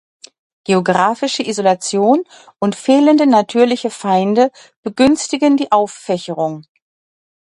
Geografische Isolation und fehlende natürliche Feinde begünstigen die Auffächerung.